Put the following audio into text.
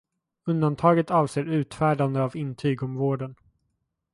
Undantaget avser utfärdande av intyg om vården.